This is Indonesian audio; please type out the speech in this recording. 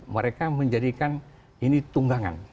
mereka menjadikan ini tunggangan